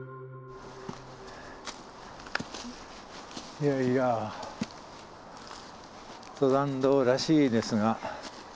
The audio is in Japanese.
いやいや登山道らしいですが。